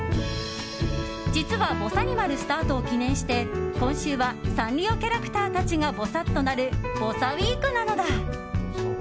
実は「ぼさにまる」スタートを記念して今週はサンリオキャラクターたちがぼさっとなるぼさウィークなのだ。